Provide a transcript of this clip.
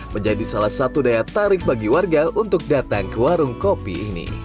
menjadi salah satu daya tarik bagi warga untuk datang ke warung kopi ini